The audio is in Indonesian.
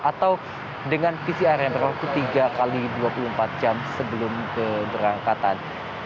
atau dengan pcr yang berlaku tiga x dua puluh empat jam sebelum keberangkatan